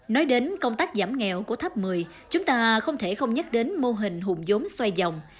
nói đến công tác giảm nghèo của thấp một mươi chúng ta không thể không nhắc đến mô hình hùng giống xoay dòng